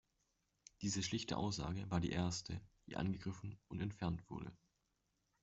Diese schlichte Aussage war die erste, die angegriffen und entfernt wurde.